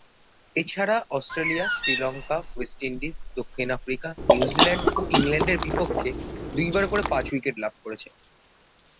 এছাড়া Australia, Sri Lanka, West Indies, দক্ষিণ Africa, New Zealand ও ইংল্যান্ডের বিপক্ষে দুইবার করে পাঁচ উইকেট লাভ করেছেন।